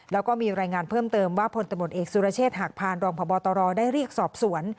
แล้วก็มีรายงานเพิ่มเติมว่าพลตำรวจเอกสุรเชษฐหักพานรองพบตรได้เรียกสอบสวน